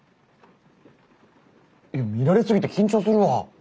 見られすぎて緊張するわ。